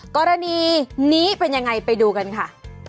กรณีนี้เป็นยังไงไปดูกันค่ะ